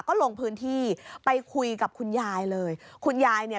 ก็ลงพื้นที่ไปคุยกับคุณยายเลยคุณยายเนี่ย